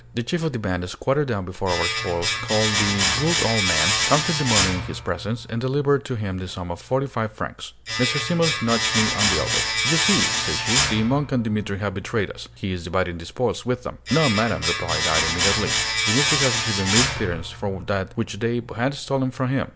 The chief of the band squatted down before our spoils, called "the good old man," counted the money in his presence, and delivered to him the sum of forty five francs. Mrs. Simons nudged me on the elbow. "You see," said she, "the monk and Dimitri have betrayed us: he is dividing the spoils with them." "No, madam," replied I, immediately. "Dimitri has received a mere pittance from that which they had stolen from him.